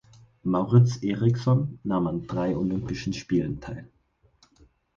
Mauritz Eriksson nahm an drei Olympischen Spielen teil.